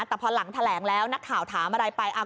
แต่พอหลังแถลงแล้วนักข่าวถามอะไรไป